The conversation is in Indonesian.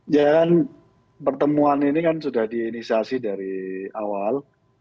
ya kan pertemuan ini kan sudah diinisiasi dari awal